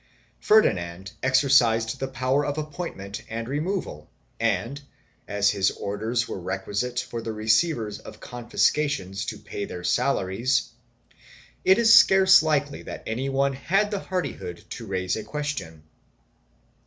Ferdinand exercised the power of appointment and removal and, as his orders were requisite for the receivers of confiscations to pay their salaries, it is scarce likely that anyone had the hardihood to raise a question.